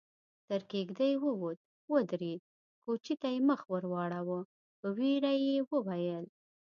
تر کېږدۍ ووت، ودرېد، کوچي ته يې مخ ور واړاوه، په وېره يې وويل: